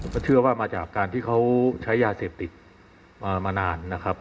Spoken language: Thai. ก็เชื่อว่ามาจากการที่เขาใช้ยาเสพติดมานานนะครับ